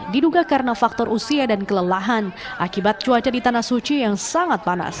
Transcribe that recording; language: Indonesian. diduga karena faktor usia dan kelelahan akibat cuaca di tanah suci yang sangat panas